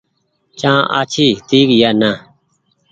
چآن آڇي هيتي يا نآ۔